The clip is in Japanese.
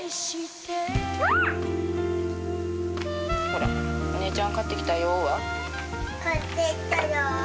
ほら「お姉ちゃん買って来たよ」は？